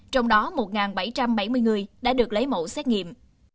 trong đó một bảy trăm bảy mươi người đã được lấy mẫu xét nghiệm